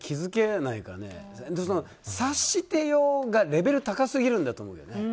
察してよ！がレベル高すぎるんだと思うけどね。